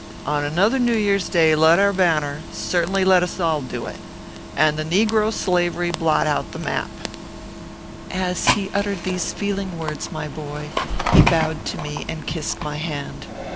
On another New Year s day let our banner certainly let us all do it. And the negro slavery blot out the map/ As he uttered these feeling words, my boy, he bowed to me and kissed my hand.